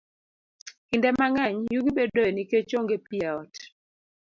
Kinde mang'eny, yugi bedoe nikech onge pi e ot.